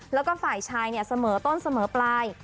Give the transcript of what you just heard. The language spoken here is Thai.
แล้วก็ฝ่ายชายเสมอต้นเสมอปลาย